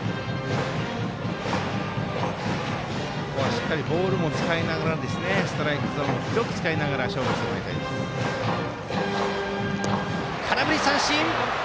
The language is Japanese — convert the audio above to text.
しっかりボールも使いながらストライクゾーンを広く使いながら空振り三振！